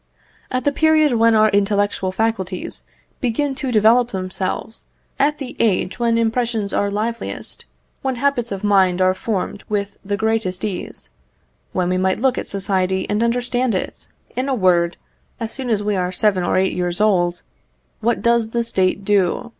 At the period when our intellectual faculties begin to develop themselves, at the age when impressions are liveliest, when habits of mind are formed with the greatest ease when we might look at society and understand it in a word, as soon as we are seven or eight years old, what does the State do?